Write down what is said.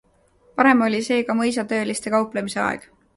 Varem oli see ka mõisatööliste kauplemise aeg.